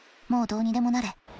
もうどうにでもなれ。